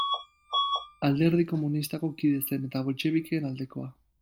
Alderdi Komunistako kide zen, eta boltxebikeen aldekoa.